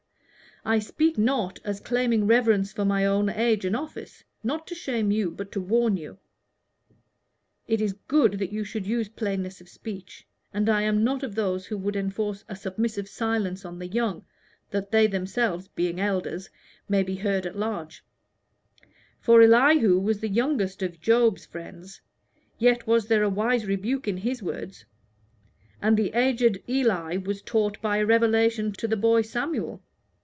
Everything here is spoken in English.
I speak not as claiming reverence for my own age and office not to shame you, but to warn you. It is good that you should use plainness of speech, and I am not of those who would enforce a submissive silence on the young, that they themselves, being elders, may be heard at large; but Elihu was the youngest of Job's friends, yet was there a wise rebuke in his words; and the aged Eli was taught by a revelation to the boy Samuel.